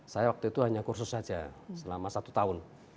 saya waktu itu hanya kursus saja selama satu tahun